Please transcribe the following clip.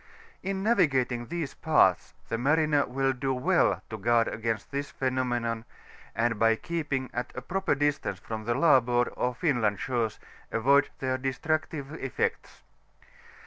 In navigatmg these parts, we mariner will do well to guard aeauist tiiis phenomenon, and by keeping at a proper distance from the larboajrd or FinLmd shores, avoid their destructive eflects.